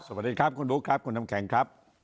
สวัสดีครับคุณบุ๊คครับคุณน้ำแข็งครับ